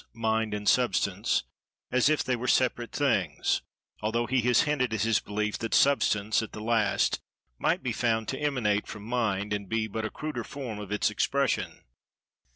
Mind and Substance, as if they were separate things, although he has hinted at his belief that Substance, at the last, might be found to emanate from Mind, and be but a cruder form of its expression.